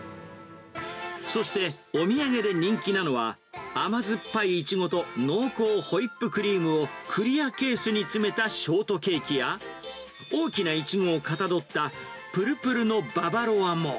そしてお土産で人気なのは、甘酸っぱいイチゴと、濃厚ホイップクリームをクリアケースに詰めたショートケースや、大きなイチゴをかたどった、ぷるぷるのババロアも。